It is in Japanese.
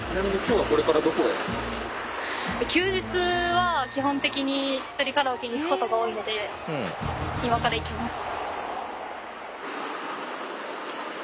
休日は基本的にひとりカラオケに行くことが多いので今から行きます。